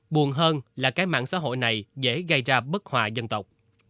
buồn hơn là cái mạng xã hội này dễ gây ra bức hòa dân tộc